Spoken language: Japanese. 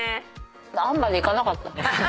餡までいかなかった。